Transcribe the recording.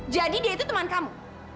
jadi dia itu teman kamu